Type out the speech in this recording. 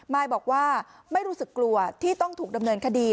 มายบอกว่าไม่รู้สึกกลัวที่ต้องถูกดำเนินคดี